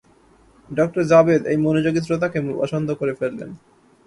ডঃ জাবেদ এই মনোযোগী শ্রোতাকে পছন্দ করে ফেললেন।